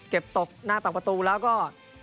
เก็บตกหน้าตอกประตูแล้วก็